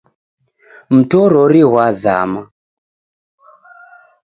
Mtorori ghwazama